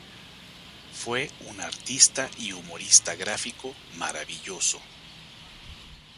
Fue un artista y humorista gráfico maravilloso.